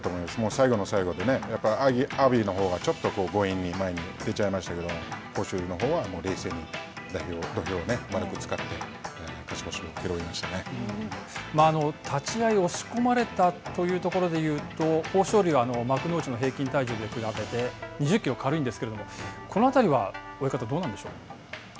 最後最後で、阿炎のほうがちょっと強引に前に出ちゃいましたけれども、豊昇龍のほうは冷静に土俵を丸く使って、勝ち星を拾いまし立ち会い押し込まれたというところで言うと、豊昇龍、幕内の平均体重に比べて、２０キロ軽いんですけれども、このあたりは、親方、どうなんでしょうか。